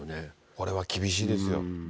これは厳しいですよ。